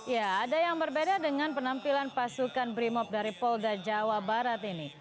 ya ada yang berbeda dengan penampilan pasukan brimob dari polda jawa barat ini